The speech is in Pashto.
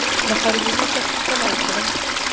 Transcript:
د خربوزو کښت کله وکړم؟